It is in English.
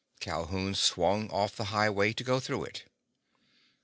Calhoun swung off the highway to go through it.